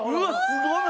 すごーい！